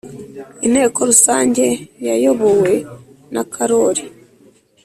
Inteko rusange ya yobowe na karoli